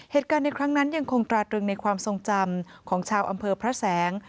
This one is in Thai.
เหตุการณ์ในครั้งนั้นยังคงตราตรึงในความทรงจำของชาวอำเภอพระแสง